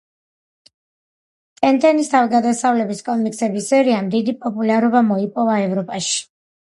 ტენტენის თავგადასავლების კომიქსების სერიამ დიდი პოპულარობა მოიპოვა ევროპაში.